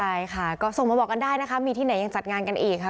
ใช่ค่ะก็ส่งมาบอกกันได้นะคะมีที่ไหนยังจัดงานกันอีกค่ะ